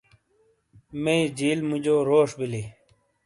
مئی جیل موجو روش بیلی